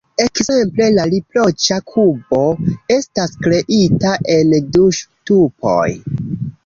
Ekzemple, la "riproĉa kubo" estas kreita en du ŝtupoj.